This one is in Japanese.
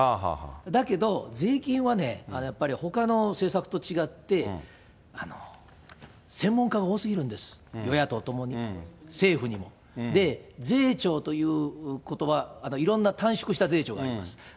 だけど、税金はね、やっぱりほかの政策と違って、専門家が多すぎるんです、与野党ともに、政府にも。税調ということば、いろんな短縮した税調があります。